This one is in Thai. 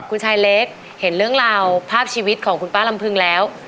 คุณชายเล็กเห็นเรื่องราวภาพชีวิตของคุณป้าลำพึงแล้ว